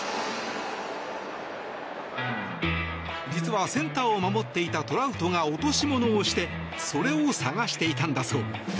実は、センターを守っていたトラウトが落とし物をしてそれを探していたんだそう。